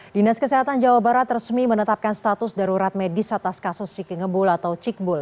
dinas kesehatan jawa barat resmi menetapkan status darurat medis atas kasus ciki ngebul atau cikbul